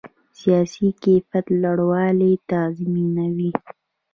سیالي د کیفیت لوړوالی تضمینوي.